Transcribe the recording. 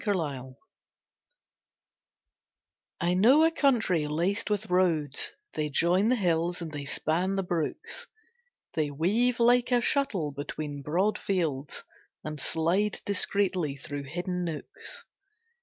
Roads I know a country laced with roads, They join the hills and they span the brooks, They weave like a shuttle between broad fields, And slide discreetly through hidden nooks.